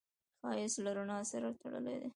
ښایست له رڼا سره تړلی دی